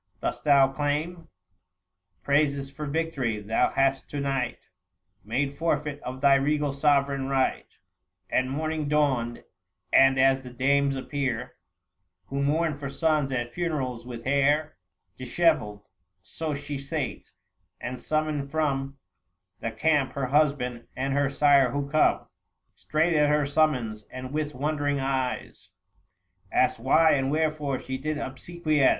— dost thou claim Praises for victory ? Thou hast to night Made forfeit of thy regal sovereign right. And morning dawned ; and as the dames appear, 865 Who mourn for sons at funerals, with hair Dishevelled, so she sate ; and summoned from The camp her husband and her sire, who come • Straight at her summons ; and with wondering eyes Asked why and wherefore she did obsequies.